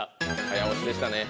早押しでしたね。